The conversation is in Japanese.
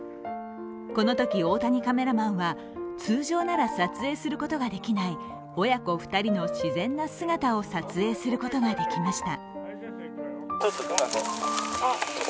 このとき大谷カメラマンは通常なら撮影することができない親子２人の自然な姿を撮影することができました。